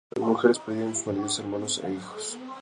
Las mujeres perdieron a sus maridos, hermanos e hijos.